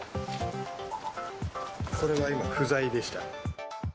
これが今、不在でした。